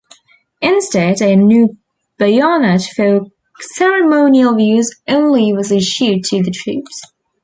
Instead a new bayonet for ceremonial use only was issued to the troops.